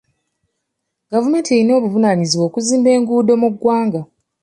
Gavumenti erina obuvunaanyizibwa okuzimba enguudo mu ggwanga.